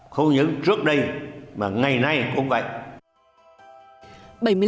không những trước đây mà ngày nay cũng vậy